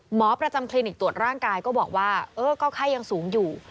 หมอประจำคลินิกตรวจร่างกายก็บอกว่าเออก็ไข้ยังสูงอยู่